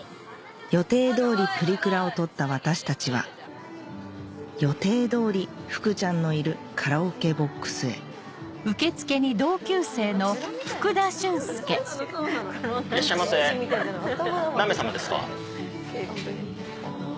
予定通りプリクラを撮った私たちは予定通り福ちゃんのいるカラオケボックスへいらっしゃいませ何名様ですか？